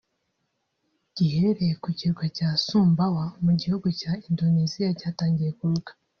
giherereye ku kirwa cya Sumbawa mu gihugu cya Indonesia cyatangiye kuruka